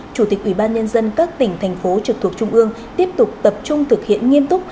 chủ tịch ủy ban nhân dân các tỉnh thành phố trực thuộc trung ương tiếp tục tập trung thực hiện nghiêm túc